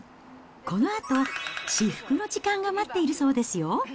このあと至福の時間が待っているそうですよ。